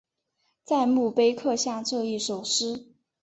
在墓碑刻下这一首诗